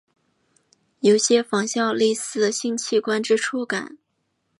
有些仿效类似性器官之触感。